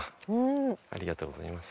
ありがとうございます。